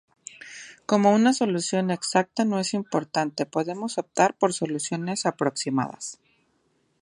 Como una solución exacta no es importante podemos optar por soluciones aproximadas.